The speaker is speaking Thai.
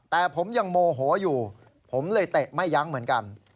แต่ผมยังโมโหอยู่ผมเลยเตะไม่ยั้งเหมือนกัน